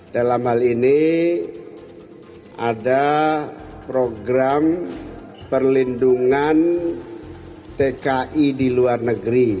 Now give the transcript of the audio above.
dalam hal ini ada program perlindungan tki di luar negeri